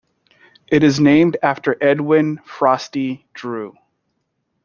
It is named after Edwin "Frosty" Drew.